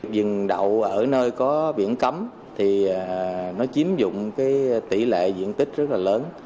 dừng đậu ở nơi có biển cấm thì nó chiếm dụng cái tỷ lệ diện tích rất là lớn